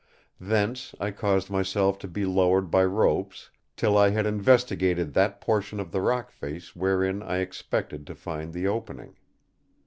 Thence I caused myself to be lowered by ropes, till I had investigated that portion of the rock face wherein I expected to find the opening.